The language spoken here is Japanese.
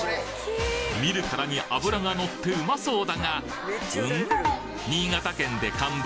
見るからに脂がのってウマそうだがん？